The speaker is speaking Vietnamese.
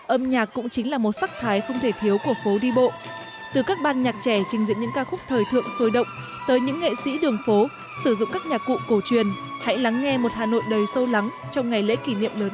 âm nhạc cũng chính là một sắc thái không thể thiếu của phố đi bộ từ các ban nhạc trẻ trình diễn những ca khúc thời thượng sôi động tới những nghệ sĩ đường phố sử dụng các nhạc cụ cổ truyền hãy lắng nghe một hà nội đầy sâu lắng trong ngày lễ kỷ niệm lớn